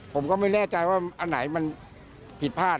ผมก็ไม่แน่ใจว่าอันไหนมันผิดพลาด